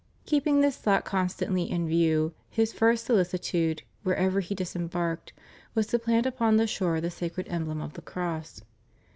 Keeping this thought constantly in view, his first solici tude, wherever he disembarked, was to plant upon the shore the sacred emblem of the cross.